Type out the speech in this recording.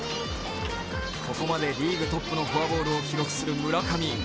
ここまでリーグトップのフォアボールを記録する村上。